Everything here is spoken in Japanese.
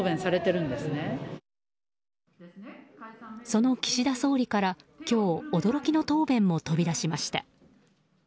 その岸田総理から今日驚きの答弁も飛び出しました。